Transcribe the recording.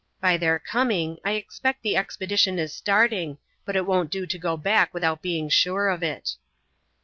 By their coming I expect the expedition is starting, but it won't do to go back without being sure of it."